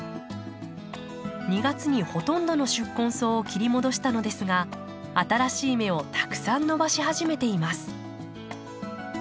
２月にほとんどの宿根草を切り戻したのですが新しい芽をたくさん伸ばし始めています。